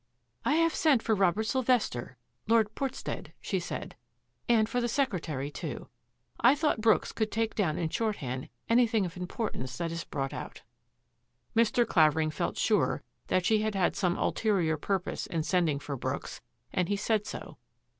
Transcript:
"I have sent for Robert Sylvester — Lord Port stead," she said, " and for the secretary too. I thought Brooks could take down in shorthand any thing of importance that is brought out." Mr. Clavering felt sure that she had had some ulterior purpose in sending for Brooks, and he said so.